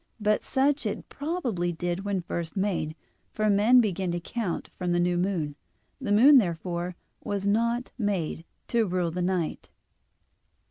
But such it probably did when first made; for men begin to count from the new moon. The moon, therefore, was not made "to rule the night."